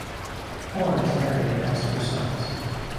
Horn is married and has two sons.